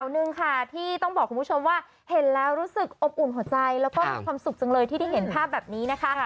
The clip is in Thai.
หนึ่งค่ะที่ต้องบอกคุณผู้ชมว่าเห็นแล้วรู้สึกอบอุ่นหัวใจแล้วก็มีความสุขจังเลยที่ได้เห็นภาพแบบนี้นะคะ